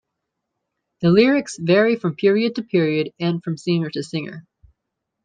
The lyrics vary from period to period and from singer to singer.